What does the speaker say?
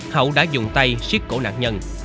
hậu đã dùng tay siết cổ nạn nhân